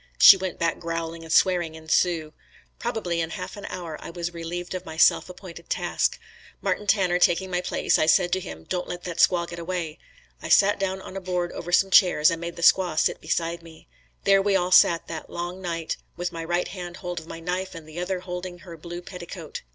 She went back growling and swearing in Sioux. Probably in half an hour I was relieved of my self appointed task. Martin Tanner taking my place, I said to him, "Don't let that squaw get away." I sat down on a board over some chairs and made the squaw sit beside me. There we sat all that long night with my right hand hold of my knife and the other holding her blue petticoat.